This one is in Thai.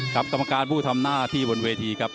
ครับตำรวจการผู้ทำหน้าที่บนเวทีครับ